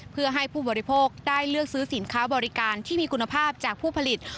เพื่อให้ผู้บริโภคได้เลือกซื้อสินค้าบริการที่มีคุณภาพจากผู้ผลิต